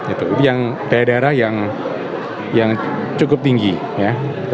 itu yang daerah daerah yang cukup tinggi ya